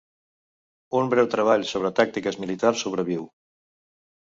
Un breu treball sobre tàctiques militars sobreviu.